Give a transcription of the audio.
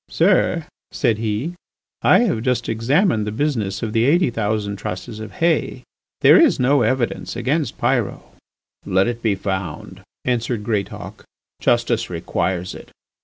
"Sir," said he, "I have just examined the business of the eighty thousand trusses of hay. There is no evidence against Pyrot." "Let it be found," answered Greatauk. "Justice requires it.